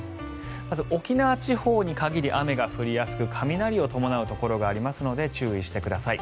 まず沖縄地方に限り雨が降りやすく雷を伴うところがありますので注意してください。